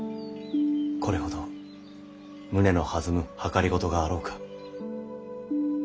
これほど胸の弾む謀があろうか。